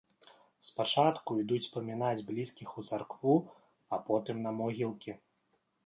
Спачатку ідуць памінаць блізкіх у царкву, а потым на могілкі.